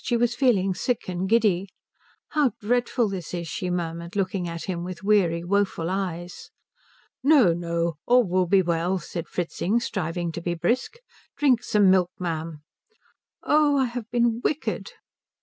She was feeling sick and giddy. "How dreadful this is," she murmured, looking at him with weary, woeful eyes. "No, no all will be well," said Fritzing, striving to be brisk. "Drink some milk, ma'am." "Oh, I have been wicked."